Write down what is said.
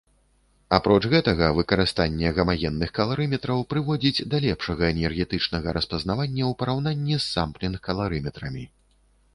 Апроч гэтага, выкарыстанне гамагенных каларыметраў прыводзіць да лепшага энергетычнага распазнавання ў параўнанні з самплінг-каларыметрамі.